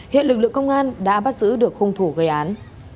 hiện lực lượng công an đã bắt giữ được hung thủ gây án